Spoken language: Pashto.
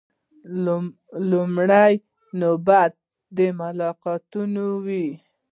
لومړۍ نوبت د ملاقاتونو و.